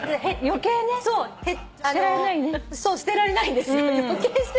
余計捨てられないんですよ。